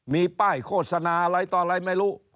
มีป้ายโฆษณาอะไรต่ออะไรไม่รู้